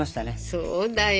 そうだよ。